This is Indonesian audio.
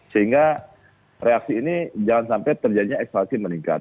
sehingga reaksi ini jangan sampai terjadinya ekspansi meningkat